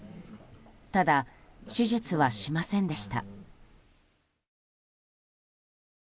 ただ、手術はしませんでした。